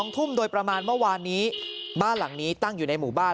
ทุ่มโดยประมาณเมื่อวานนี้บ้านหลังนี้ตั้งอยู่ในหมู่บ้าน